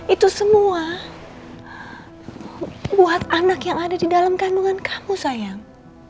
itu semua buat anak yang ada di dalam kandungan kamu sayang